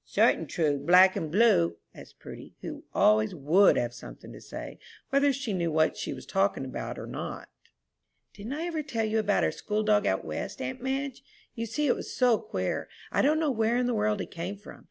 "Certain true, black and blue?" asked Prudy, who always would have something to say, whether she knew what she was talking about or not. "Didn't I ever tell you about our school dog out West, aunt Madge? You see it was so queer. I don't know where in the world he came from.